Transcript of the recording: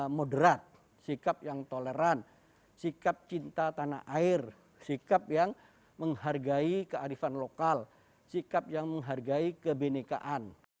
sikap moderat sikap yang toleran sikap cinta tanah air sikap yang menghargai kearifan lokal sikap yang menghargai kebenekaan